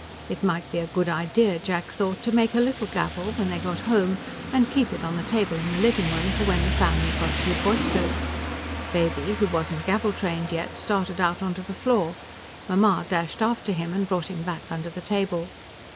It might be a good idea, Jack thought, to make a little gavel, when he got home, and keep it on the table in the living room for when the family got too boisterous. Baby, who wasn't gavel trained yet, started out onto the floor; Mamma dashed after him and brought him back under the table.